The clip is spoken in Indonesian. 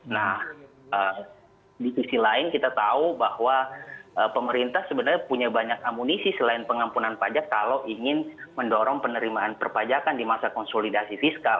nah di sisi lain kita tahu bahwa pemerintah sebenarnya punya banyak amunisi selain pengampunan pajak kalau ingin mendorong penerimaan perpajakan di masa konsolidasi fiskal